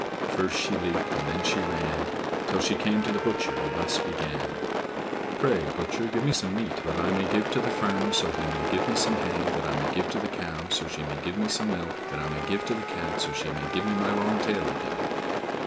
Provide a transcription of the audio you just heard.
First she leaped, and then she ran, Till she came to the butcher, and thus began: "Pray butcher, give me some meat that I may give to the farmer, so he may give me some hay that I may give to the cow, so she may give me some milk that I may give to the Cat, so she may give me my long tail again."